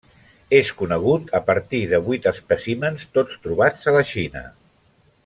És conegut a partir de vuit espècimens, tots trobats a la Xina.